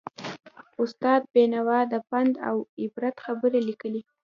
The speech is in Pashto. استاد بینوا د پند او عبرت خبرې لیکلې.